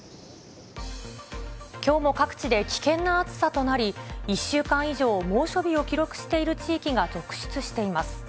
きょうも各地で危険な暑さとなり、１週間以上、猛暑日を記録している地域が続出しています。